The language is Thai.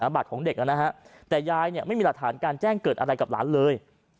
บัตรของเด็กนะฮะแต่ยายไม่มีหลักฐานการแจ้งเกิดอะไรกับหลานเลย